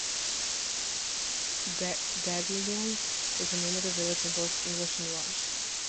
Bedlinog is the name of the village in both English and Welsh.